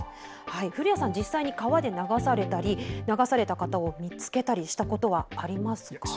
古谷さん、実際に川で流されたり流されたりした方を見つけた経験はありますか？